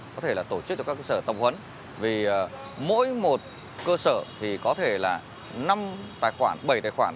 có thể là tổ chức cho các cơ sở tổng huấn vì mỗi một cơ sở thì có thể là năm tài khoản bảy tài khoản